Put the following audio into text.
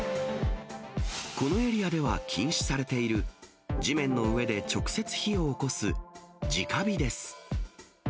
このエリアでは禁止されている、地面の上で直接火をおこす、じか火です。